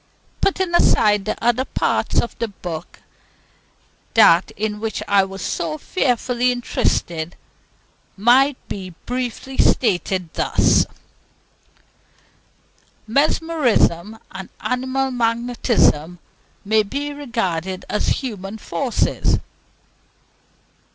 Putting aside the other parts of the book, that in which I was so fearfully interested might be briefly stated thus: Mesmerism and animal magnetism may be regarded as human forces.